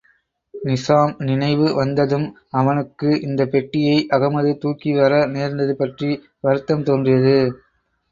நிசாம் நினைவு வந்ததும், அவனுக்கு இந்தப் பெட்டியை அகமது தூக்கி வர நேர்ந்தது பற்றி வருத்தம் தோன்றியது.